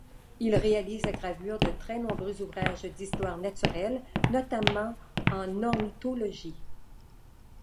Il réalise la gravure de très nombreux ouvrages d'histoire naturelle, notamment en ornithologie.